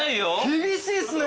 厳しいっすね。